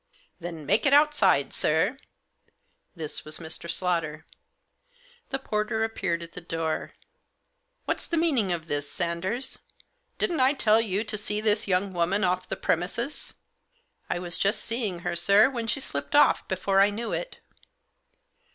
"Then make it outside, sir." This was Mr. Slaughter. The porter appeared at the door. " What's the meaning of this, Sanders ? Didn't I tell you to see this young woman off the premises ?"" I was just seeing her, sir, when she slipped off before I knew it."